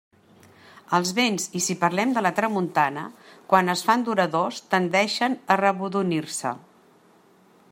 Els vents, i si parlem de la tramuntana, quan es fan duradors, tendeixen a rebordonir-se.